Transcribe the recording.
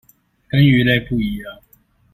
跟魚類不一樣